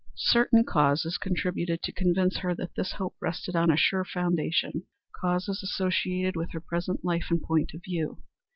Certain causes contributed to convince her that this hope rested on a sure foundation causes associated with her present life and point of view.